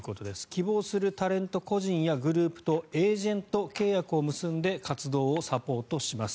希望するタレント個人やグループとエージェント契約を結んで活動をサポートします。